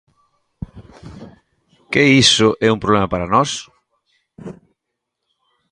¿Que iso é un problema para nós?